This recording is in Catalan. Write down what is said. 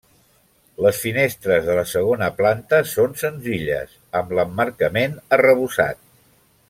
Les finestres de la segona planta són senzilles, amb l'emmarcament arrebossat.